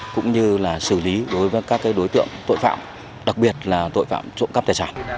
cũng như là xử lý đối với các đối tượng tội phạm đặc biệt là tội phạm trộm cắp tài sản